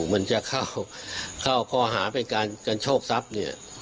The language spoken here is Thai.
มันจะเข้าข้อหาเป็นการกันโชคทรัพย์เนี่ย